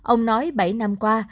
ông nói bảy năm qua